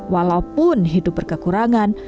walaupun hidup berkekurangan